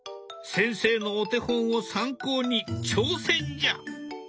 先生のお手本を参考に挑戦じゃ！